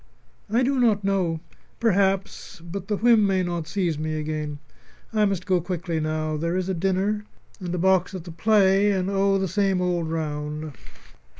"I do not know. Perhaps but the whim may not seize me again. I must go quickly now. There is a dinner, and a box at the play and, oh! the same old round.